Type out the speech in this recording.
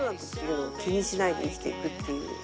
気にしないで生きていくっていう。